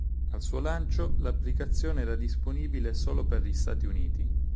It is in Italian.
Al suo lancio, l'applicazione era disponibile solo per gli Stati Uniti.